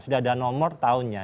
sudah ada nomor tahunnya